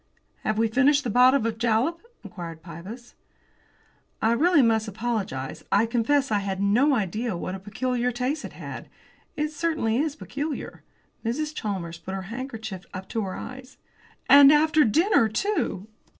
"Have we finished the bottle of jalap?" inquired Pybus. "I really must apologise; I confess I had no idea what a peculiar taste it had; it certainly is peculiar." Mrs. Chalmers put her handkerchief up to her eyes. "And after dinner, too!"